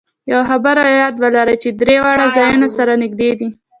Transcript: یوه خبره یاد ولرئ چې درې واړه ځایونه سره نږدې دي.